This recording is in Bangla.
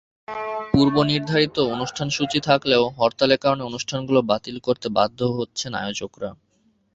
পূর্বনির্ধারিত অনুষ্ঠানসূচি থাকলেও হরতালের কারণে অনুষ্ঠানগুলো বাতিল করতে বাধ্য হচ্ছেন আয়োজকেরা।